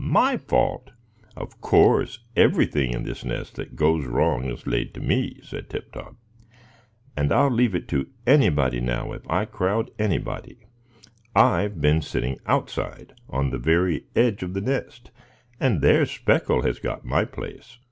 "My fault? Of course, everything in this nest that goes wrong is laid to me," said Tip Top; "and I'll leave it to anybody, now, if I crowd anybody. I've been sitting outside, on the very edge of the nest, and there's Speckle has got my place."